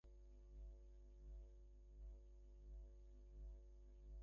বর্ষায় খালের জল অত্যন্ত বাড়িয়াছিল– কোথায় সে তলাইয়া গেল ঠিকানা রহিল না।